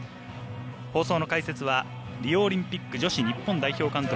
放送の解説はリオオリンピック女子代表監督